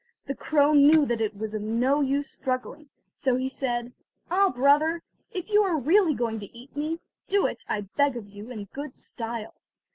The crow knew that it was of no use struggling, so he said: "Ah, brother, if you are really going to eat me, do it, I beg of you, in good style.